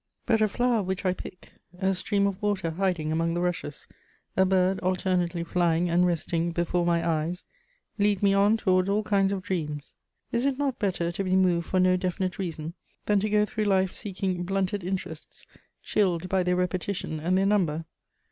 But a flower which I pick, a stream of water hiding among the rushes, a bird alternately flying and resting before my eyes lead me on towards all kinds of dreams. Is it not better to be moved for no definite reason than to go through life seeking blunted interests, chilled by their repetition and their number?